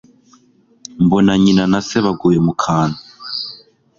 mbona nyina nase baguye mukantu